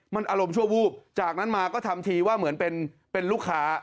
มันอารมณ์ชั่ววูบจากนั้นมาก็ทำทีว่าเหมือนเป็นลูกค้า